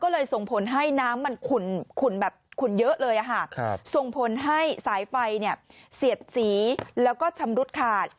ก็เลยส่งผลให้น้ำขุนเยอะเลยส่งผลให้สายไฟเสียบสีและชำรุดขาด